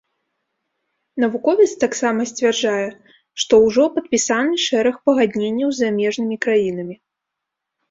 Навуковец таксама сцвярджае, што ўжо падпісаны шэраг пагадненняў з замежнымі краінамі.